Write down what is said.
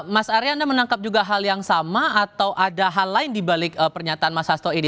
mas arya anda menangkap juga hal yang sama atau ada hal lain dibalik pernyataan mas sasto ini